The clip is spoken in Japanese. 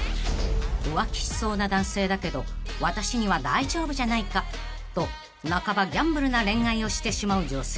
［浮気しそうな男性だけど私には大丈夫じゃないかと半ばギャンブルな恋愛をしてしまう女性］